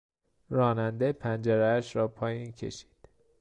راننده پنجرهاش را پایین کشید.